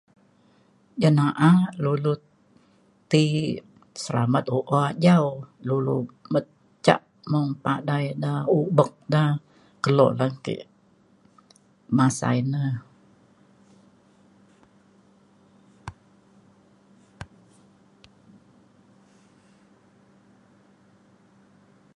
ja na'a dulu ti selamat u'o ajau lulu met cak mung padai ida ubek da kelo lan ke masa ina.